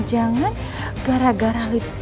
tante aku mau ke rumah tante